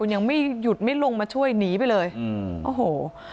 ยังไม่หยุดไม่ลงมาช่วยหนีไปเลยอืมโอ้โห